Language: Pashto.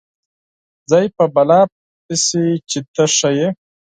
ځای په بلا پسې چې ته ښه یې.